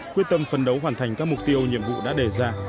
quyết tâm phân đấu hoàn thành các mục tiêu nhiệm vụ đã đề ra